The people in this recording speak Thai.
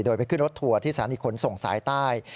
โดยไปขึ้นรถทัวร์ที่สถานีขนส่งสายใต้